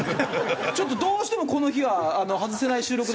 ちょっとどうしてもこの日は外せない収録だったんで。